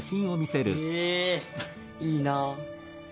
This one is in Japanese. へえいいなあ。